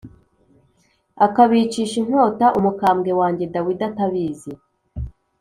akabicisha inkota umukambwe wanjye Dawidi atabizi